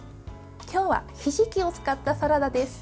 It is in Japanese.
今日はひじきを使ったサラダです。